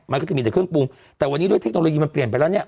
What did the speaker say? มันก็จะมีแต่เครื่องปรุงแต่วันนี้ด้วยเทคโนโลยีมันเปลี่ยนไปแล้วเนี่ย